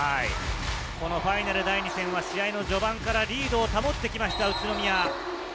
このファイナル第２戦は試合の序盤からリードを保ってきました、宇都宮。